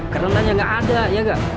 kerandanya gak ada ya gak